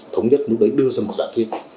thống nhất lúc đấy đưa ra một dạng thuyết